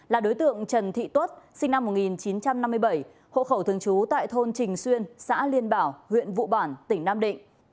là đối tượng trần thị tuất sinh năm một nghìn chín trăm năm mươi bảy hộ khẩu thường trú tại thôn trình xuyên xã liên bảo huyện vụ bản tỉnh nam định